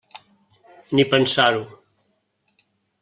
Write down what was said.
Ni pensar-ho.